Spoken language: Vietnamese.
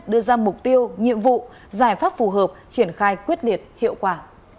đưa ra mục tiêu nhiệm vụ giải pháp phù hợp triển khai quyết liệt hiệu quả